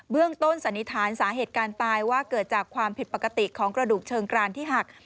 เรื่องต้นสันนิษฐานสาเหตุการณ์ตายว่าเกิดจากความผิดปกติของกระดูกเชิงกรานที่หัก